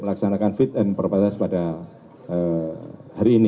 melaksanakan fit and propertas ini